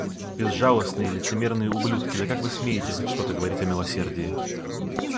Безжалостные лицемерные ублюдки, да как вы смеете хоть что-то говорить о милосердии!